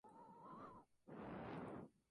Allí, permaneció cuatro años.